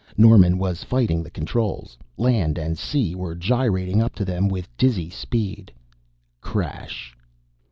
Norman was fighting the controls land and sea were gyrating up to them with dizzy speed crash!